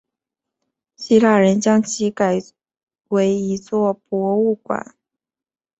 希腊人将其改为一座博物馆。